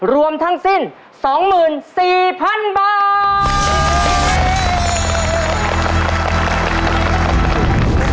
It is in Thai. รวมทั้งสิ้น๒หมื่น๔พันบาท